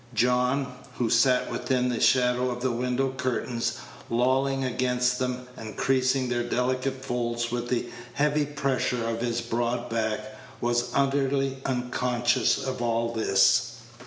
John, who sat within the shadow of the window curtains, lolling against them, and creasing their delicate folds with the heavy pressure of his broad back, was utterly unconscious of all this.